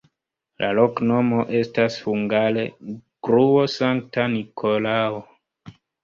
La loknomo estas hungare: gruo-Sankta Nikolao.